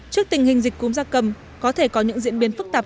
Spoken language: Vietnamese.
trước tình hình dịch cúm gia cầm có thể có những diễn biến phức tạp